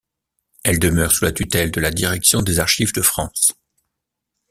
Elles demeurent sous la tutelle de la direction des Archives de France.